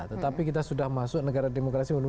tetapi kita sudah masuk negara demokrasi